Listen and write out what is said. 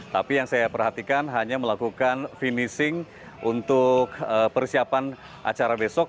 tapi yang saya perhatikan hanya melakukan finishing untuk persiapan acara besok